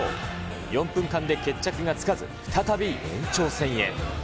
４分間で決着がつかず、再び延長戦へ。